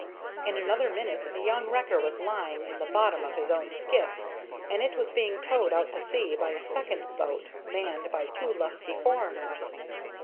In another minute the young wrecker was lying in the bottom of his own skiff, and it was being towed out to sea by a second boat manned by two lusty foreigners.